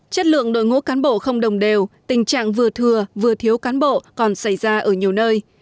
chất lượng đội ngũ cán bộ không đồng đều tình trạng vừa thừa vừa thiếu cán bộ còn xảy ra ở nhiều nơi